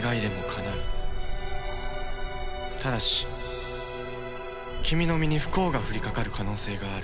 ただし君の身に不幸が降りかかる可能性がある。